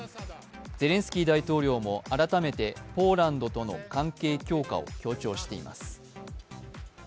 ゼレンスキー大統領も改めてポーランドとの関係強化を強調しています。